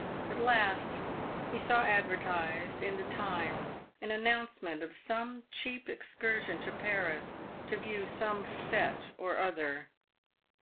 At last, he saw advertised in the Times an announcement of some cheap excursion to Paris to view some fete or other.